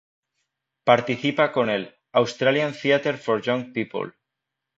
Participa con el "Australian Theatre for Young People".